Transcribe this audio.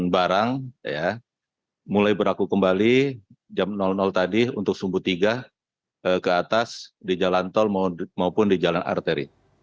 barang mulai berlaku kembali jam tadi untuk sumbu tiga ke atas di jalan tol maupun di jalan arteri